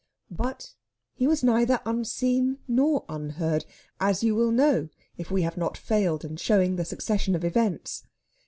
But he was neither unseen nor unheard, as you will know if we have not failed in showing the succession of events.